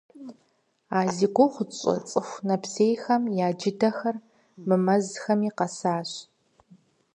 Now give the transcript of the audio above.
А зи гугъу тщӏы цӏыху нэпсейхэм я джыдэхэр мы мэзхэми къэсащ.